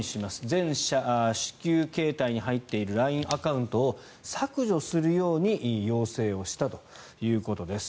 会社支給携帯に入っているＬＩＮＥアカウントを削除するように要請をしたということです。